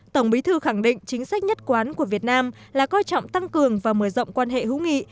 tổng bí thư khẳng định chính sách nhất quán của việt nam là coi trọng tăng cường và mở rộng quan hệ hữu nghị